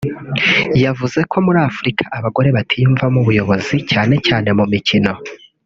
yavuze ko muri Afurika abagore batiyumvamo ubuyobozi cyane cyane mu mikino